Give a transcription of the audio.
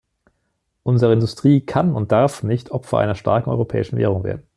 Unsere Industrie kann und darf nicht Opfer einer starken europäischen Währung werden.